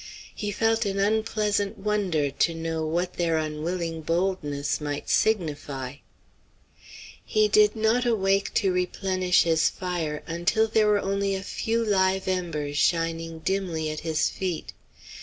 He felt an unpleasant wonder to know what their unwilling boldness might signify. He did not awake to replenish his fire until there were only a few live embers shining dimly at his feet.